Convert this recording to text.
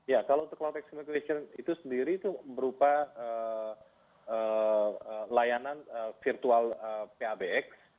ya kalau cloudx communication itu sendiri itu berupa layanan virtual pabx